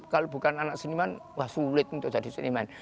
kalau bukan anak seniman wah sulit untuk jadi seniman